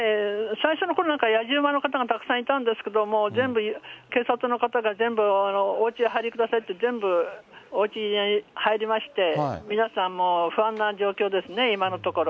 最初のころなんかやじ馬の方なんかがたくさんいたんですけども、全部警察の方が全部おうちにお入りくださいって、全部、おうちに入りまして、皆さんも不安な状況ですね、今のところ。